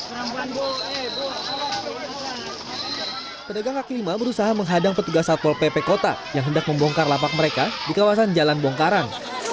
pedagang kaki lima berusaha menghadang petugas satpol pp kota yang hendak membongkar lapak mereka di kawasan jalan bongkaran